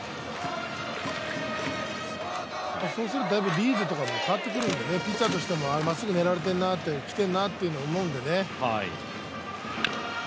そうするとだいぶリードとかも変わってくるので、ピッチャーとしてもまっすぐ狙われてきているなと思うので。